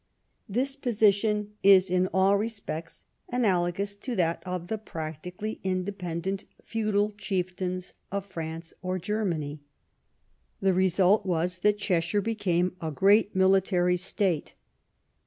This position is in all respects analogous to that of the practically independent feudal chieftains of France or Germany, The result was that Cheshire became a great military state.